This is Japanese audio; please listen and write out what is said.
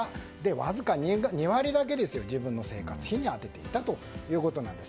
わずか２割だけ自分の生活費に充てていたということです。